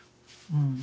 うん。